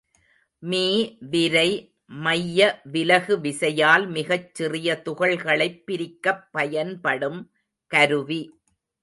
Me விரை மைய விலகு விசையால் மிகச் சிறிய துகள்களைப் பிரிக்கப் பயன்படும் கருவி.